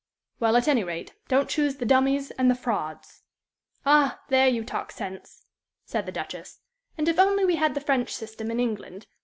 "Well, at any rate, don't choose the dummies and the frauds." "Ah, there you talk sense," said the Duchess. "And if only we had the French system in England!